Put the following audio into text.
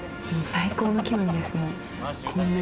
最高の気分ですね。